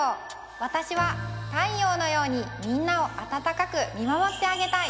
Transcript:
わたしは太陽のようにみんなをあたたかくみまもってあげたい。